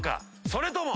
それとも。